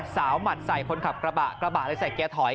หมัดใส่คนขับกระบะกระบะเลยใส่เกียร์ถอย